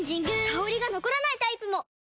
香りが残らないタイプも！